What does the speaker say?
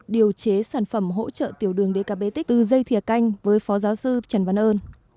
điều chế sản phẩm hỗ trợ tiểu đường dkb tích tư dây thiều canh với phó giáo sư trần văn ơn